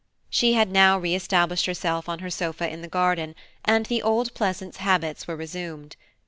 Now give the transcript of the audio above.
She had now re established herself on her sofa in the garden, and the old Pleasance habits were resumed.